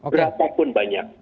berapa pun banyak